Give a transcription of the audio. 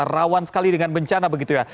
rawan sekali dengan bencana begitu ya